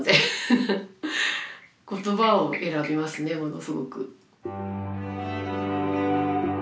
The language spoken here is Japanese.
言葉を選びますねものすごく。